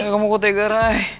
rai kamu kotega rai